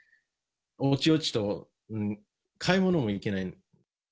おちおちと買い物もいけない。